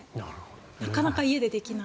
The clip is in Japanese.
なかなか家でできない。